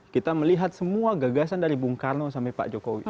kita melihat semua gagasan dari bung karno sampai pak jokowi